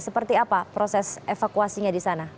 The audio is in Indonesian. seperti apa proses evakuasinya di sana